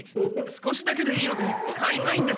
少しだけでいいので買いたいんですが。